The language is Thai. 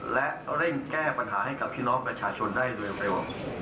และเร่งแก้ปัญหาให้กับพี่น้องประชาชนได้โดยเร็ว